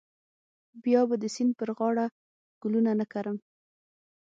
بیا به د سیند پر غاړه ګلونه نه کرم.